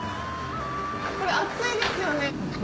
これ熱いですよね？